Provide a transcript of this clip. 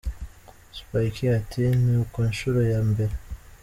Spikey ati:ni ku nshuro ya mbere.